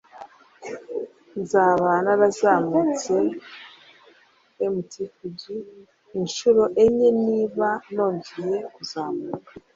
Nzaba narazamutse Mt. Fuji inshuro enye niba nongeye kuzamuka.